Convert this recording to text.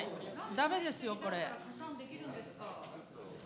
だめですよ、これ。